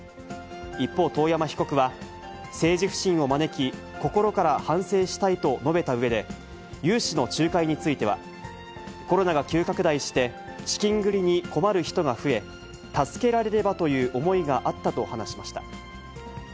一方、遠山被告は、政治不信を招き、心から反省したいと述べたうえで、融資の仲介については、コロナが急拡大して、資金繰りに困る人が増え、助けられればという思いがあったと話しました。